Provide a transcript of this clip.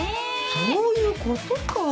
そういうことかな？